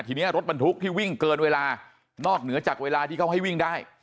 ทีนี้รถบรรทุกที่วิ่งเกินเวลานอกเหนือจากเวลาที่เขาให้วิ่งได้